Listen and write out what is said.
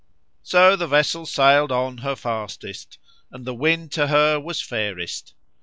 So the vessel sailed on her fastest and the wind to her was fairest.